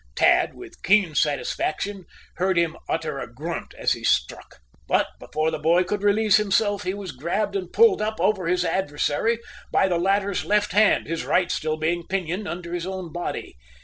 Tad, with keen satisfaction, heard him utter a grunt as he struck. But before the boy could release himself he was grabbed and pulled up over his adversary by the latter's left hand, his right still being pinioned under his own body.